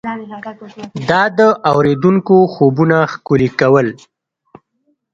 دا د اورېدونکو خوبونه ښکلي کول.